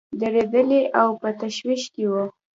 دردېدلي او په تشویش کې وي.